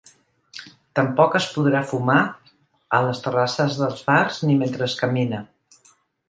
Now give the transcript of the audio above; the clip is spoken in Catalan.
Tampoc es podrà fumar a les terrasses dels bars ni mentre es camina.